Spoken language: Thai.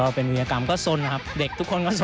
ก็เป็นวิยากรรมก็ซนนะครับเด็กทุกคนก็ซนทุกคนนะครับ